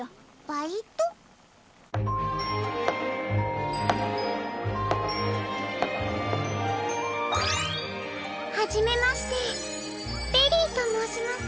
バイト？はじめましてベリーともうします。